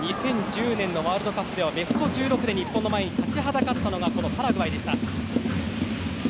２０１０年のワールドカップではベスト１６で日本の前に立ちはだかったのがこのパラグアイでした。